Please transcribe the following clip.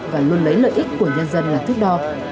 và luôn lấy lợi ích của nhân dân là thức đo